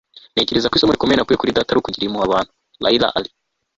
ntekereza ko isomo rikomeye nakuye kuri data ari ukugirira impuhwe abantu. - laila ali